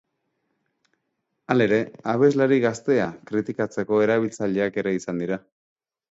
Halere, abeslari gaztea kritikatzeko erabiltzaileak ere izan dira.